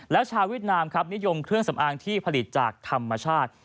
แล้วชาวเวียดนามครับนิยมเครื่องสำอางที่ผลิตจากธรรมชาติ